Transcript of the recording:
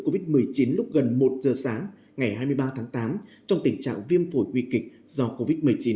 covid một mươi chín lúc gần một giờ sáng ngày hai mươi ba tháng tám trong tình trạng viêm phổi nguy kịch do covid một mươi chín